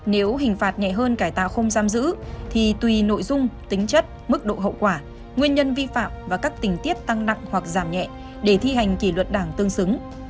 nếu hình phạt nhẹ hơn cải tạo không giam giữ thì tùy nội dung tính chất mức độ hậu quả nguyên nhân vi phạm và các tình tiết tăng nặng hoặc giảm nhẹ để thi hành kỷ luật đảng tương xứng